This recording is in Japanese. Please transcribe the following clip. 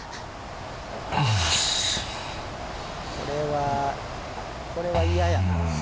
これはこれは嫌やな。